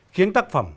khiến tác phẩm